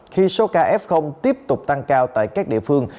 khi số ca f tiếp tục tăng cao tại các địa phương